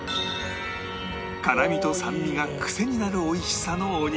辛みと酸味がクセになる美味しさのおにぎり